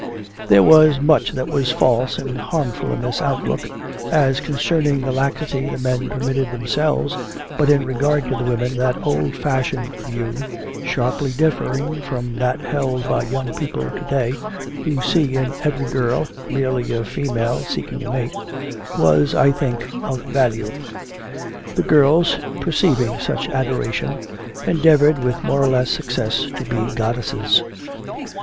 There was much that was false and harmful in this outlook, as concerning the laxity the men permitted themselves, but in regard to the women that old fashioned view (sharply differing from that held by young people to day who see in every girl merely a female seeking a mate) was, I think, of value. The girls, perceiving such adoration, endeavoured with more or less success to be goddesses.